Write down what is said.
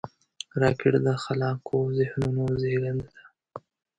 راکټ د خلاقو ذهنونو زیږنده ده